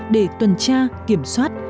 để tuần tra kiểm soát